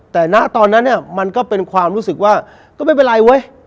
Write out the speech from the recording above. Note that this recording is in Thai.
แต่ตอนนั้นมันก็เป็นความรู้สึกว่าก็ไม่เป็นไร